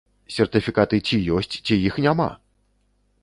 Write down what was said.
Сертыфікаты ці ёсць, ці іх няма!